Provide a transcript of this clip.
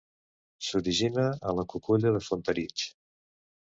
S'origina a la Cuculla de Fartàritx.